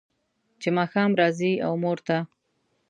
چې ماښام راځي و مور ته